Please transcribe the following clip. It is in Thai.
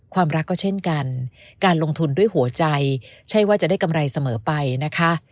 ความรักก็เช่นกันการลงทุนด้วยหัวใจใช่ว่าจะได้กำไรเสมอไปนะคะ